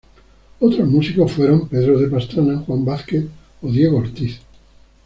Otros músicos fueron Pedro de Pastrana, Juan Vázquez o Diego Ortiz.